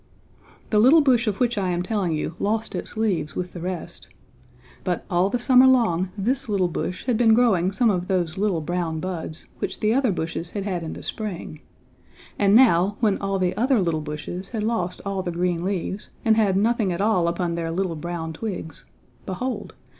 The little bush of which I am telling you lost its leaves with the rest. But all the summer long this little bush had been growing some of those little brown buds, which the other bushes had had in the spring, and now, when all the other little bushes had lost all the green leaves, and had nothing at all upon their little brown twigs, behold!